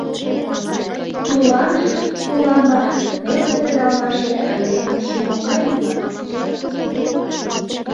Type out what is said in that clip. Тулан, пуламыр, неле кредалмаште Айдемын шӱм могай лийман, чынак?